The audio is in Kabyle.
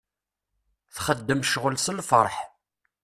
Txeddem ccɣel s lferḥ.